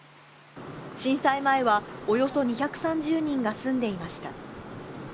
震災前は、およそ２３０人が住んでいました。